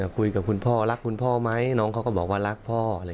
คุยกับคุณพ่อรักคุณพ่อไหมน้องเขาก็บอกว่ารักพ่อ